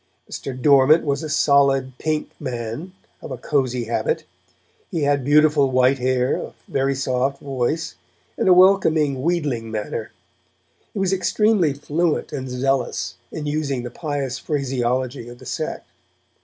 Mr. Dormant was a solid, pink man, of a cosy habit. He had beautiful white hair, a very soft voice, and a welcoming, wheedling manner; he was extremely fluent and zealous in using the pious phraseology of the sect.